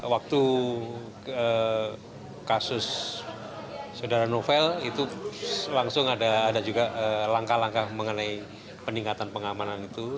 waktu kasus saudara novel itu langsung ada juga langkah langkah mengenai peningkatan pengamanan itu